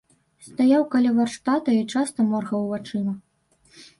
Стаяў каля варштата і часта моргаў вачыма.